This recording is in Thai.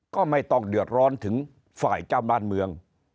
ก็ไม่ต้องเดือดร้อนถึงฝ่ายเจ้าบ้านเมือง